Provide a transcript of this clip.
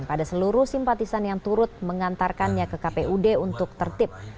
pada seluruh simpatisan yang turut mengantarkannya ke kpud untuk tertib